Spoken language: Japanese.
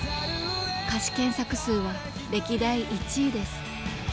歌詞検索数は歴代１位です。